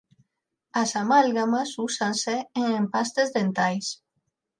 As amálgamas úsanse en empastes dentais.